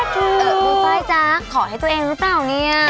คุณฟ้ายจ๊ะขอให้ตัวเองรู้เปล่าเนี่ย